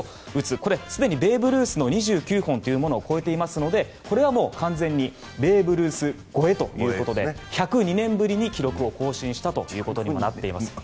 これはすでにベーブ・ルースの２９本を超えていますのでこれはもう完全にベーブ・ルース超えということで１０２年ぶりに記録を更新したということになっています。